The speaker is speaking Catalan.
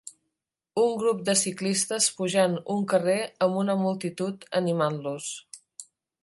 Un grup de ciclistes pujant un carrer amb una multitud animant-los